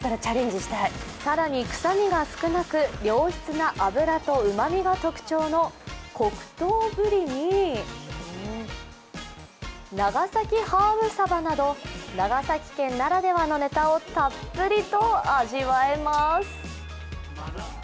更に臭みが少なく良質な脂とうまみが特徴の黒糖ぶりに長崎ハーブ鯖など、長崎県ならではのネタをたっぷりと味わえます。